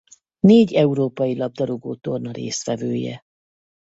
Négy európai-labdarúgó torna résztvevője.